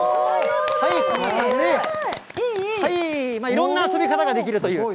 いろんな遊び方ができるという。